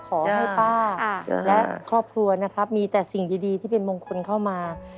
ขอให้ป้าและครอบครัวนะครับมีแต่สิ่งดีที่เป็นมงคลเข้ามา